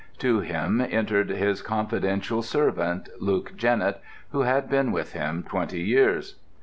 To him entered his confidential servant, Luke Jennett, who had been with him twenty years.